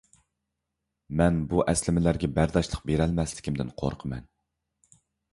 مەن بۇ ئەسلىمىلەرگە بەرداشلىق بېرەلمەسلىكىمدىن قورقىمەن.